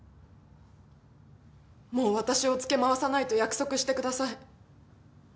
もう私をつけ回さないと約束してください。